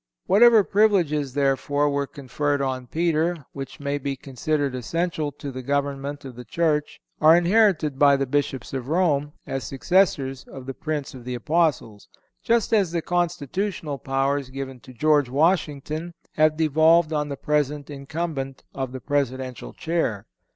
Whatever privileges, therefore, were conferred on Peter which may be considered essential to the government of the Church are inherited by the Bishops of Rome, as successors of the Prince of the Apostles; just as the constitutional powers given to George Washington have devolved on the present incumbent of the Presidential chair.